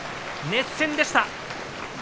熱戦でした。